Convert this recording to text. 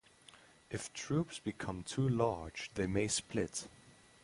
If troops become too large they may split.